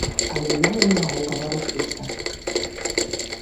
Але я не магу паварушыцца.